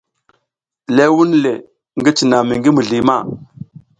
Le vunle ngi cina mi ngi mizli ma.